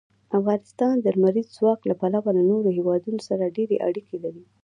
افغانستان د لمریز ځواک له پلوه له نورو هېوادونو سره ډېرې اړیکې لري.